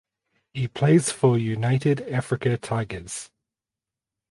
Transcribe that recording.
He plays for United Africa Tigers.